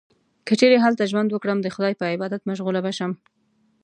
که چیرې هلته ژوند وکړم، د خدای په عبادت مشغوله به شم.